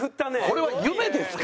これは夢ですか？